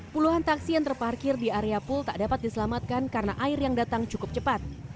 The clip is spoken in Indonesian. puluhan taksi yang terparkir di area pul tak dapat diselamatkan karena air yang datang cukup cepat